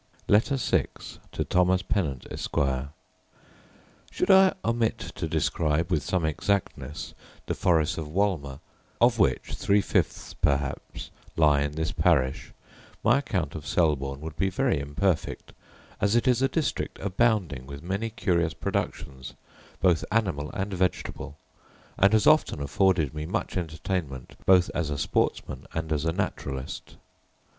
Letter VI To Thomas Pennant, Esquire Should I omit to describe with some exactness the forest of Wolmer, of which three fifths perhaps lie in this parish, my account of Selborne would be very imperfect, as it is a district abounding with many curious productions, both animal and vegetable; and has often afforded me much entertainment both as a sportsman and as a naturalist.